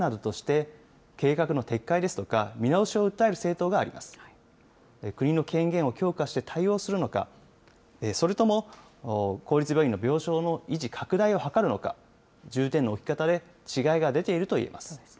国の権限を強化して対応するのか、それとも公立病院の病床の維持・拡大を図るのか、重点の置き方で違いが出ていると言えます。